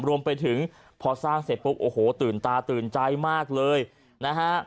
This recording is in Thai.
รวมไปถึงพอสร้างเสร็จปุ๊บโอ้โหตื่นตาตื่นใจมากเลยนะฮะ